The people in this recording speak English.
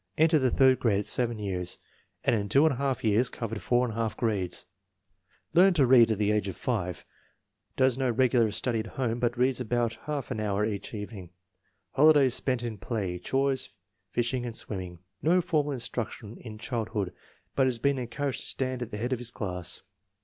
Entered the third grade at v years, and in two and a half years covered four and a half grades. Learned to read at the age 220 INTELLIGENCE OF SCHOOL CHILDREN of 5. Does no regular study at home, but reads about half an hour each evening. Holidays spent in play, chores, fishing, and swimming. No formal instruction in childhood, but has been encouraged to stand at the head of his class.